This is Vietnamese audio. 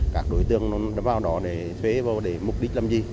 các đối tượng vào đó để thuê vào để mục đích làm gì